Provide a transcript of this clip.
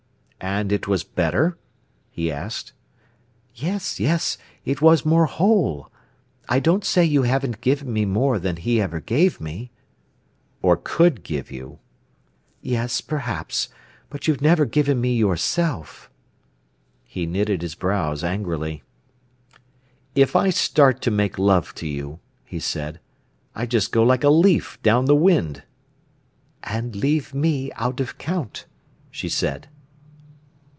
"And it was better?" he asked. "Yes, yes; it was more whole. I don't say you haven't given me more than he ever gave me." "Or could give you." "Yes, perhaps; but you've never given me yourself." He knitted his brows angrily. "If I start to make love to you," he said, "I just go like a leaf down the wind." "And leave me out of count," she said.